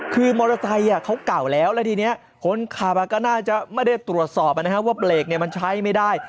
คือมอเตอร์ไซซ์เขาก่าวแล้วและทีนี้คนขับแน่น่าจะไม่ได้ตรวจสอบเนี้ยว่าเบรกใช่ไม่ได้